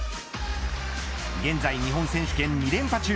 現在、日本選手権２連覇中。